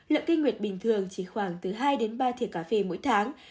lượng kinh nguyệt bình thường chỉ khoảng từ hai ba thịa cà phê mỗi tháng